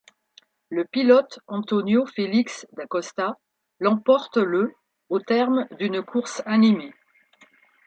Le pilote António Félix da Costa l'emporte le au terme d'une course animée.